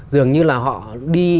dường như là họ đi